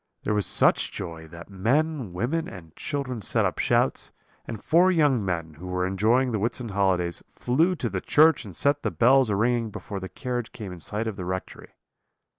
There was such joy, that men, women, and children set up shouts; and four young men, who were enjoying the Whitsun holidays, flew to the church and set the bells a ringing before the carriage came in sight of the rectory.